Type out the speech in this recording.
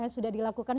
yang sudah dilakukan